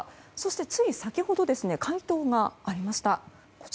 つい先ほど回答がありました。